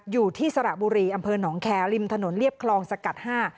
สระบุรีอำเภอหนองแคร์ริมถนนเรียบคลองสกัดห้า